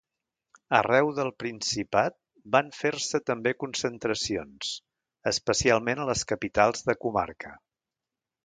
Arreu del Principat van fer-se també concentracions, especialment a les capitals de comarca.